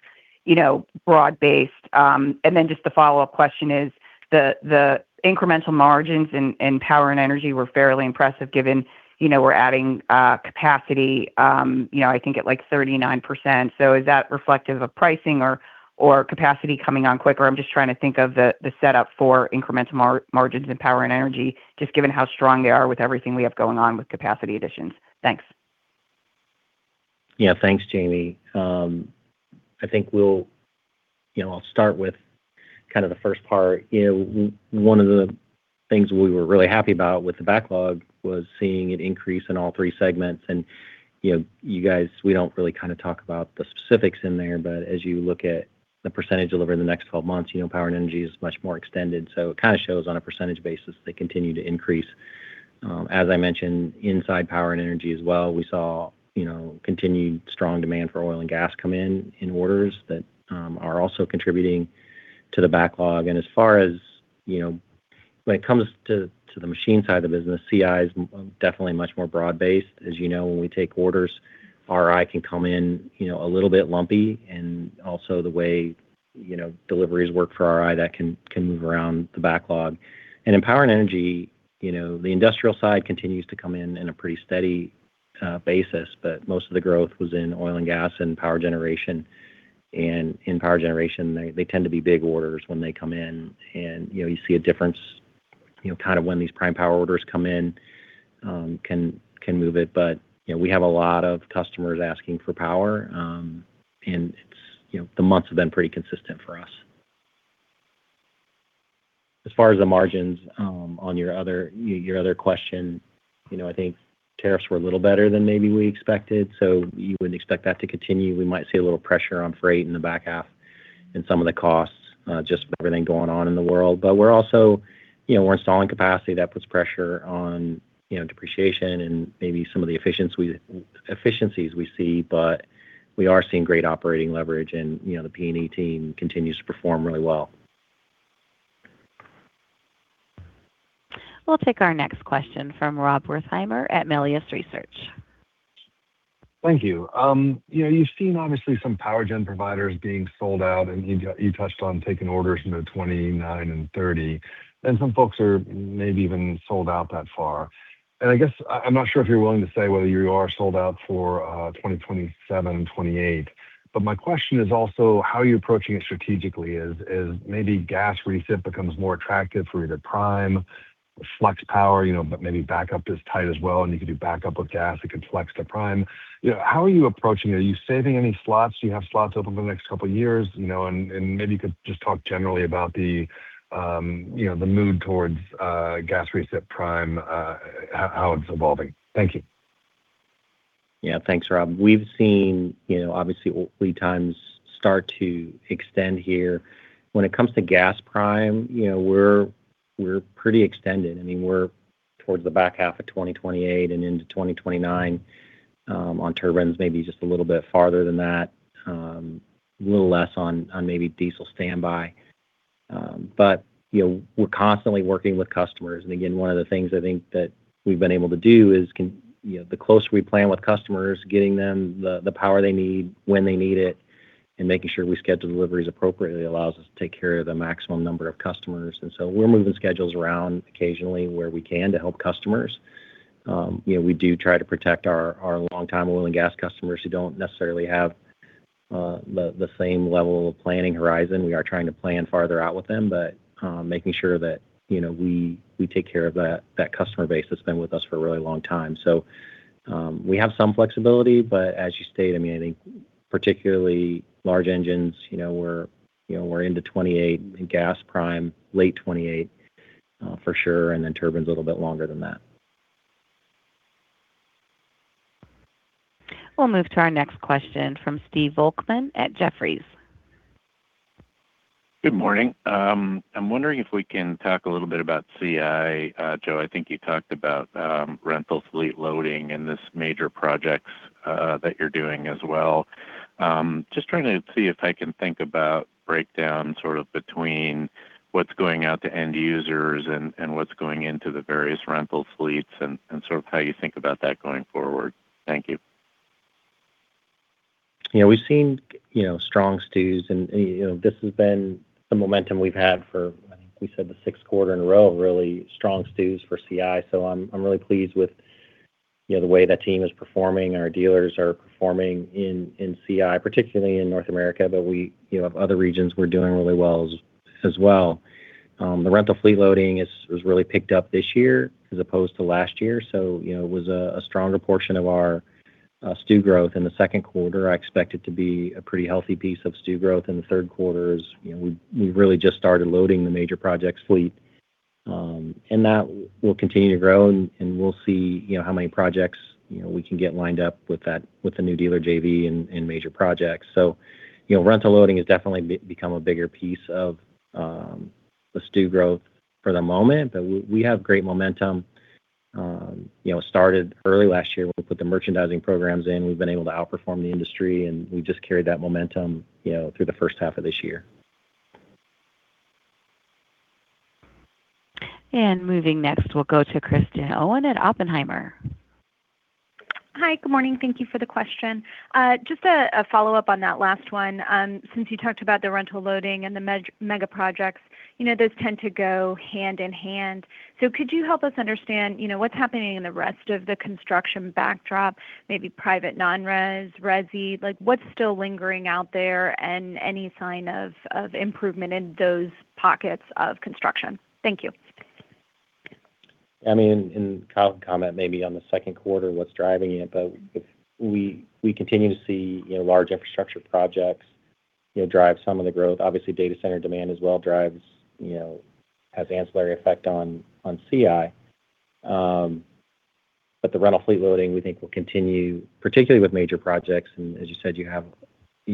broad based. Just the follow-up question is the incremental margins in Power & Energy were fairly impressive given we're adding capacity, I think at like 39%. Is that reflective of pricing or capacity coming on quicker? I'm just trying to think of the setup for incremental margins in Power & Energy, just given how strong they are with everything we have going on with capacity additions. Thanks. Yeah. Thanks, Jamie. I think I'll start with the first part. One of the things we were really happy about with the backlog was seeing it increase in all three segments. You guys, we don't really talk about the specifics in there, but as you look at the percentage delivered in the next 12 months, Power & Energy is much more extended. It kind of shows on a percentage basis they continue to increase. As I mentioned, inside Power & Energy as well, we saw continued strong demand for oil and gas come in orders that are also contributing to the backlog. As far as when it comes to the machine side of the business, CI is definitely much more broad based. As you know, when we take orders, RI can come in a little bit lumpy and also the way deliveries work for RI, that can move around the backlog. In Power & Energy, the industrial side continues to come in in a pretty steady basis, but most of the growth was in oil and gas and power generation. In power generation, they tend to be big orders when they come in, and you see a difference when these prime power orders come in, can move it. We have a lot of customers asking for power, and the months have been pretty consistent for us. As far as the margins, on your other question, I think tariffs were a little better than maybe we expected, you wouldn't expect that to continue. We might see a little pressure on freight in the back half and some of the costs, just with everything going on in the world. We're also installing capacity that puts pressure on depreciation and maybe some of the efficiencies we see. We are seeing great operating leverage and the P&E team continues to perform really well. We'll take our next question from Rob Wertheimer at Melius Research. Thank you. You've seen obviously some power gen providers being sold out, you touched on taking orders into 2029 and 2030, and some folks are maybe even sold out that far. I guess I'm not sure if you're willing to say whether you are sold out for 2027 and 2028, but my question is also how you're approaching it strategically is, maybe gas recip becomes more attractive for either prime or flex power, but maybe backup is tight as well, and you could do backup with gas, it could flex to prime. How are you approaching it? Are you saving any slots? Do you have slots open for the next couple of years? Maybe you could just talk generally about the mood towards gas recip prime, how it's evolving. Thank you. Thanks, Rob. We've seen, obviously lead times start to extend here. When it comes to gas prime, we're pretty extended. We're towards the back half of 2028 and into 2029. On turbines, maybe just a little bit farther than that. A little less on maybe diesel standby. We're constantly working with customers, and again, one of the things I think that we've been able to do is, the closer we plan with customers, getting them the power they need when they need it, and making sure we schedule deliveries appropriately, allows us to take care of the maximum number of customers. We're moving schedules around occasionally where we can to help customers. We do try to protect our longtime oil and gas customers who don't necessarily have the same level of planning horizon. We are trying to plan farther out with them, but making sure that we take care of that customer base that's been with us for a really long time. We have some flexibility, but as you state, I think particularly large engines, we're into 2028 in gas prime, late 2028 for sure, and then turbines a little bit longer than that. We'll move to our next question from Steve Volkmann at Jefferies. Good morning. I'm wondering if we can talk a little bit about CI. Joe, I think you talked about rental fleet loading and this Major Projects that you're doing as well. Just trying to see if I can think about breakdown sort of between what's going out to end users and what's going into the various rental fleets and sort of how you think about that going forward. Thank you. We've seen strong STUs, and this has been the momentum we've had for, I think you said the sixth quarter in a row, really strong STUs for CI. I'm really pleased with the way that team is performing and our dealers are performing in CI, particularly in North America. We have other regions we're doing really well as well. The rental fleet loading has really picked up this year as opposed to last year. It was a stronger portion of our STU growth in the second quarter. I expect it to be a pretty healthy piece of STU growth in the third quarter as we really just started loading the Major Projects fleet. That will continue to grow, and we'll see how many projects we can get lined up with the new dealer JV and Major Projects. Rental loading has definitely become a bigger piece of the STU growth for the moment, but we have great momentum. Started early last year when we put the merchandising programs in. We've been able to outperform the industry, and we've just carried that momentum through the first half of this year. Moving next, we'll go to Kristen Owen at Oppenheimer. Hi. Good morning. Thank you for the question. Just a follow-up on that last one. Since you talked about the rental loading and the mega projects, those tend to go hand in hand. Could you help us understand what's happening in the rest of the construction backdrop, maybe private non-res, resi? What's still lingering out there and any sign of improvement in those pockets of construction? Thank you. I mean, Kyle can comment maybe on the second quarter, what's driving it, but we continue to see large infrastructure projects drive some of the growth. Obviously, data center demand as well has ancillary effect on CI. The rental fleet loading, we think will continue, particularly with major projects. As you said, you have a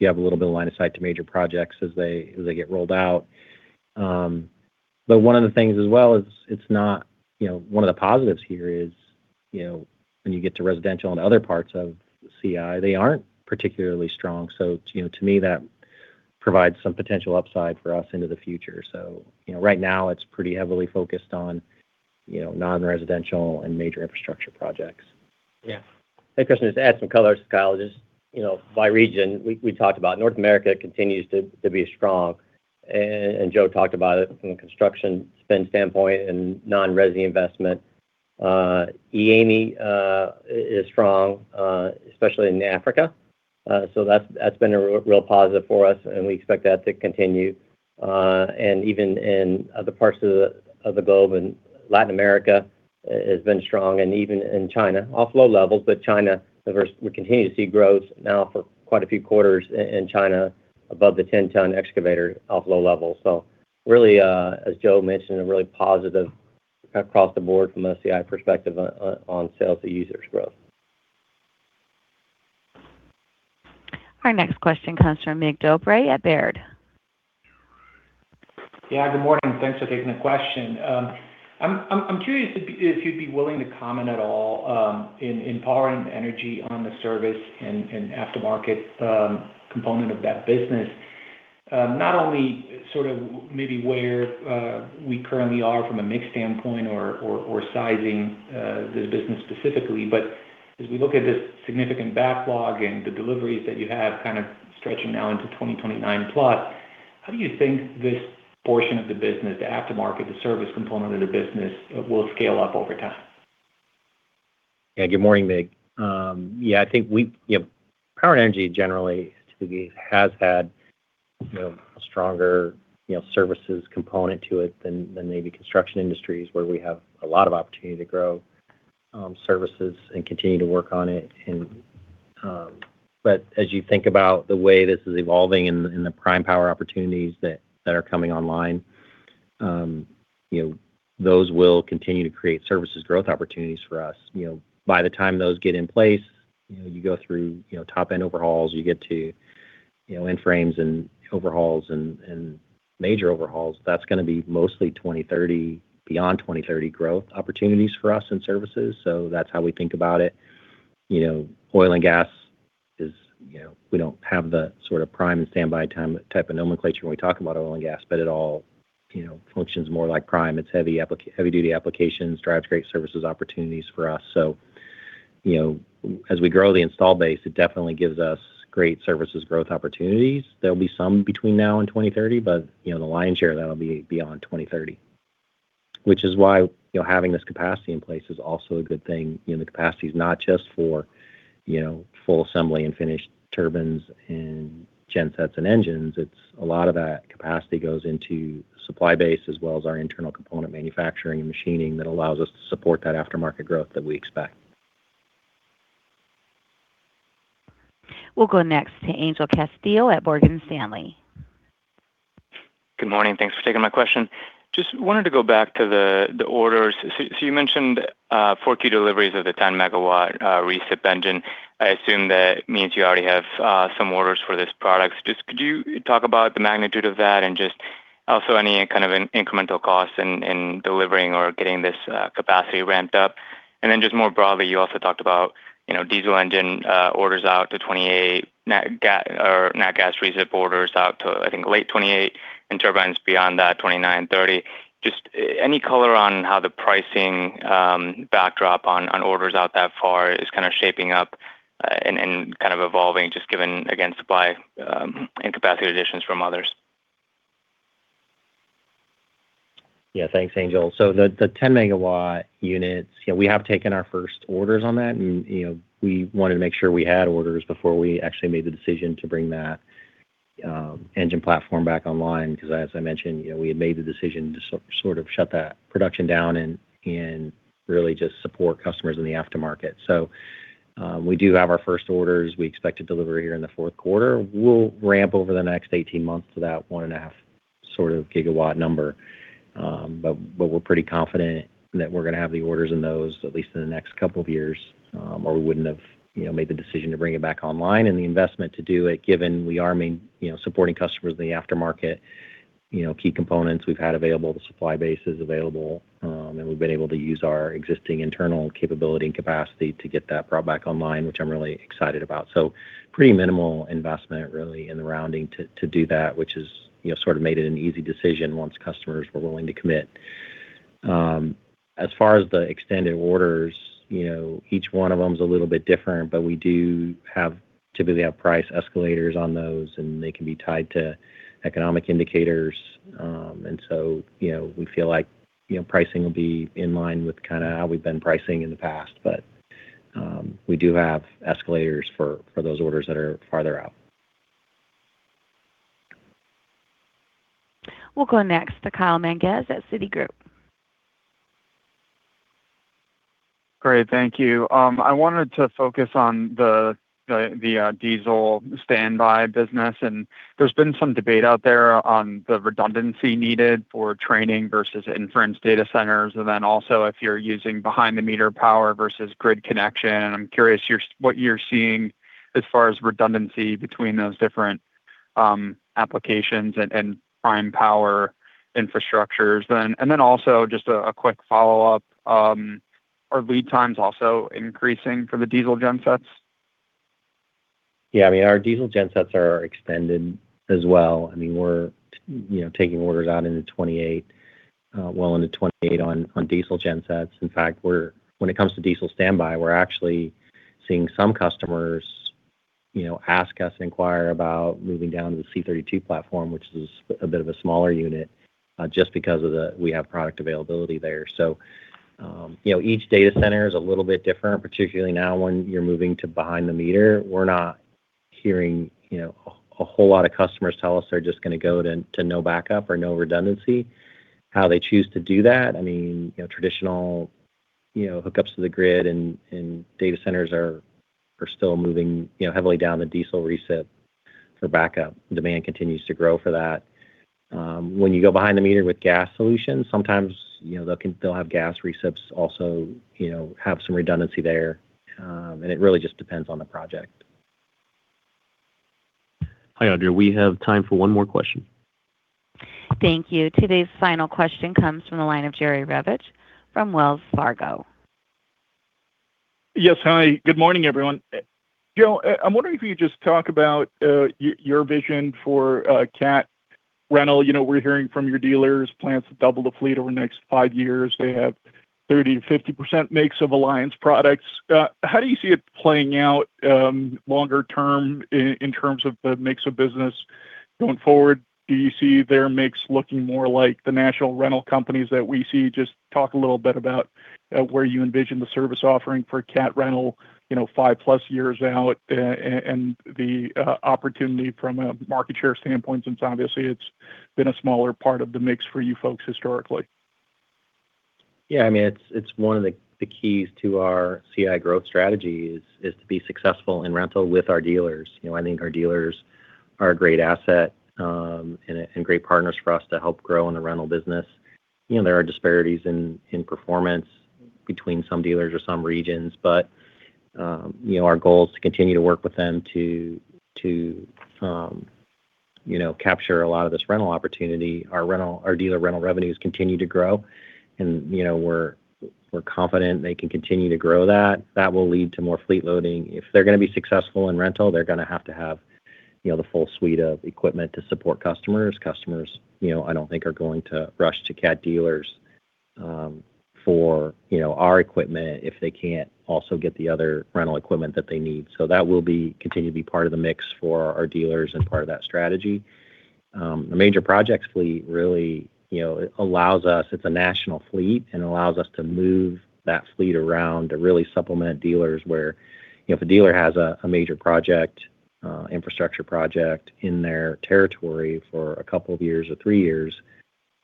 little bit of line of sight to major projects as they get rolled out. One of the things as well, one of the positives here is when you get to residential and other parts of CI, they aren't particularly strong. To me, that provides some potential upside for us into the future. Right now, it's pretty heavily focused on non-residential and major infrastructure projects. Yeah. That question is to add some color, this is Kyle, just by region. We talked about North America continues to be strong, and Joe talked about it from a construction spend standpoint and non-resi investment. EAME is strong, especially in Africa. That's been a real positive for us, and we expect that to continue. Even in other parts of the globe, Latin America has been strong, and even in China, off low levels, China, we continue to see growth now for quite a few quarters in China above the 10-ton excavator off low levels. Really, as Joe mentioned, a really positive across the board from a CI perspective on sales to users growth. Our next question comes from Mig Dobre at Baird. Good morning. Thanks for taking the question. I'm curious if you'd be willing to comment at all in Power & Energy on the service and aftermarket component of that business. Not only sort of maybe where we currently are from a mix standpoint or sizing the business specifically, but as we look at this significant backlog and the deliveries that you have kind of stretching now into 2029+, how do you think this portion of the business, the aftermarket, the service component of the business, will scale up over time? Good morning, Mig. I think Power & Energy generally has had a stronger services component to it than maybe Construction Industries where we have a lot of opportunity to grow services and continue to work on it. As you think about the way this is evolving and the prime power opportunities that are coming online, those will continue to create services growth opportunities for us. By the time those get in place, you go through top-end overhauls, you get to end frames and overhauls and major overhauls. That's going to be mostly 2030, beyond 2030 growth opportunities for us in services. That's how we think about it. Oil and gas is, we don't have the sort of prime and standby type of nomenclature when we talk about oil and gas, but it all functions more like prime. It's heavy-duty applications, drives great services opportunities for us. As we grow the install base, it definitely gives us great services growth opportunities. There'll be some between now and 2030, but the lion's share of that will be beyond 2030. Which is why having this capacity in place is also a good thing. The capacity is not just for full assembly and finished turbines and gensets and engines. A lot of that capacity goes into supply base as well as our internal component manufacturing and machining that allows us to support that aftermarket growth that we expect. We'll go next to Angel Castillo at Morgan Stanley. Good morning. Thanks for taking my question. Just wanted to go back to the orders. You mentioned 4Q deliveries of the 10 MW recip engine. I assume that means you already have some orders for this product. Just could you talk about the magnitude of that and just also any kind of incremental costs in delivering or getting this capacity ramped up? Then just more broadly, you also talked about diesel engine orders out to 2028, nat gas recip orders out to, I think, late 2028 and turbines beyond that, 2029 and 2030. Just any color on how the pricing backdrop on orders out that far is kind of shaping up and kind of evolving, just given, again, supply and capacity additions from others? Yeah. Thanks, Angel. The 10 MW units, we have taken our first orders on that, we wanted to make sure we had orders before we actually made the decision to bring that engine platform back online, because as I mentioned, we had made the decision to sort of shut that production down and really just support customers in the aftermarket. We do have our first orders. We expect to deliver here in the fourth quarter. We'll ramp over the next 18 months to that one and a half sort of gigawatt number. We're pretty confident that we're going to have the orders in those, at least in the next couple of years, or we wouldn't have made the decision to bring it back online and the investment to do it, given we are supporting customers in the aftermarket. Key components we've had available, the supply base is available, we've been able to use our existing internal capability and capacity to get that brought back online, which I'm really excited about. Pretty minimal investment, really, in the rounding to do that, which has sort of made it an easy decision once customers were willing to commit. As far as the extended orders, each one of them is a little bit different, but we do typically have price escalators on those, and they can be tied to economic indicators. We feel like pricing will be in line with kind of how we've been pricing in the past. We do have escalators for those orders that are farther out. We'll go next to Kyle Menges at Citigroup. Great. Thank you. I wanted to focus on the diesel standby business. There's been some debate out there on the redundancy needed for training versus inference data centers, and then also if you're using behind-the-meter power versus grid connection. I'm curious what you're seeing as far as redundancy between those different applications and prime power infrastructures. Also just a quick follow-up. Are lead times also increasing for the diesel gen sets? Yeah. Our diesel gen sets are extended as well. We're taking orders out well into 2028 on diesel gen sets. In fact, when it comes to diesel standby, we're actually seeing some customers ask us, inquire about moving down to the C32 platform, which is a bit of a smaller unit, just because we have product availability there. Each data center is a little bit different, particularly now when you're moving to behind the meter. We're not hearing a whole lot of customers tell us they're just going to go to no backup or no redundancy. How they choose to do that, traditional hookups to the grid and data centers are still moving heavily down the diesel recip for backup. Demand continues to grow for that. When you go behind the meter with gas solutions, sometimes they'll have gas recips also, have some redundancy there. It really just depends on the project. Hi, Audra. We have time for one more question. Thank you. Today's final question comes from the line of Jerry Revich from Wells Fargo. Yes. Hi, good morning, everyone. Joe, I'm wondering if you could just talk about your vision for Cat Rentals. We're hearing from your dealers plans to double the fleet over the next five years. They have 30%-50% makes of Alliance products. How do you see it playing out longer term in terms of the mix of business going forward? Do you see their mix looking more like the national rental companies that we see? Just talk a little bit about where you envision the service offering for Cat Rentals, five-plus years out and the opportunity from a market share standpoint, since obviously it's been a smaller part of the mix for you folks historically. Yeah. It's one of the keys to our CI growth strategy is to be successful in rental with our dealers. I think our dealers are a great asset and great partners for us to help grow in the rental business. There are disparities in performance between some dealers or some regions, but our goal is to continue to work with them to capture a lot of this rental opportunity. Our dealer rental revenues continue to grow, and we're confident they can continue to grow that. That will lead to more fleet loading. If they're going to be successful in rental, they're going to have to have the full suite of equipment to support customers. Customers, I don't think are going to rush to Cat dealers for our equipment if they can't also get the other rental equipment that they need. That will continue to be part of the mix for our dealers and part of that strategy. The Major Projects fleet really, it's a national fleet and allows us to move that fleet around to really supplement dealers where, if a dealer has a major project, infrastructure project in their territory for a couple of years or three years,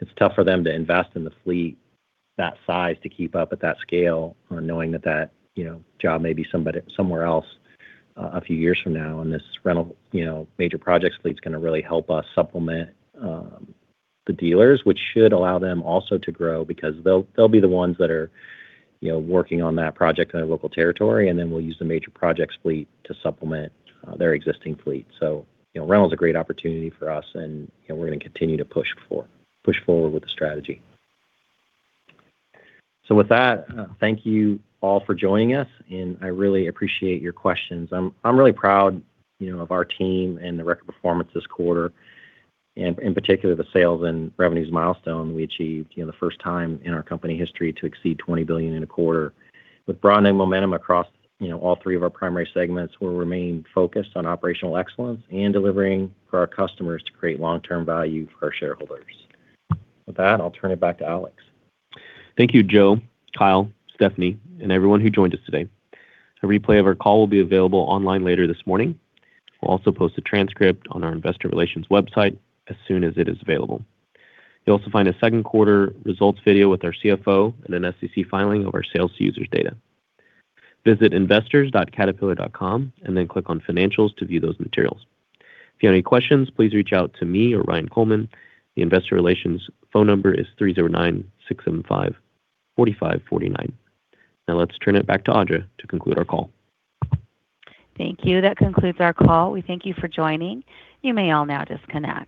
it's tough for them to invest in the fleet that size to keep up at that scale or knowing that job may be somewhere else a few years from now. This Major Projects fleet's going to really help us supplement the dealers, which should allow them also to grow because they'll be the ones that are working on that project in their local territory, and then we'll use the Major Projects fleet to supplement their existing fleet. Rental's a great opportunity for us and we're going to continue to push forward with the strategy. With that, thank you all for joining us, and I really appreciate your questions. I'm really proud of our team and the record performance this quarter and, in particular, the sales and revenues milestone we achieved the first time in our company history to exceed $20 billion in a quarter. With broadening momentum across all three of our primary segments, we'll remain focused on operational excellence and delivering for our customers to create long-term value for our shareholders. With that, I'll turn it back to Alex. Thank you, Joe, Kyle, Stephanie, and everyone who joined us today. A replay of our call will be available online later this morning. We'll also post a transcript on our investor relations website as soon as it is available. You'll also find a second quarter results video with our CFO and an SEC filing of our sales to users data. Visit investors.caterpillar.com and then click on Financials to view those materials. If you have any questions, please reach out to me or Ryan Coleman. The investor relations phone number is 309-675-4549. Let's turn it back to Audra to conclude our call. Thank you. That concludes our call. We thank you for joining. You may all now disconnect.